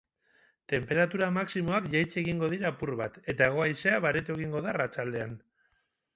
Tenperatura maximoak jaitsi egingo dira apur bat eta hego-haizea baretu egingo da arratsaldean.